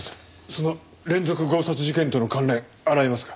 その連続強殺事件との関連洗いますか？